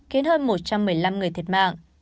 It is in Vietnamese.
khiến hơn một trăm một mươi năm người thiệt mạng